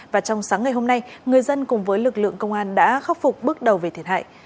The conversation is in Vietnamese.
và trong sáng ngày hôm nay người dân cùng với lực lượng công an đã khắc phục bước đầu về thiệt hại